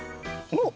おっ。